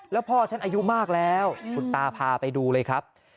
แล้วพ่อฉันอายุมากแล้วคุณตาพาไปดูเลยครับ